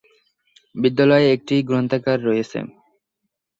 বিদ্যালয়ে একটি গ্রন্থাগার রয়েছে।